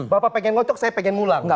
bapak pengen kocok saya pengen ngulang